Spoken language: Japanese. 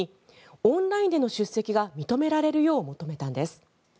オンラインでの出席が認められるよう求めたのです。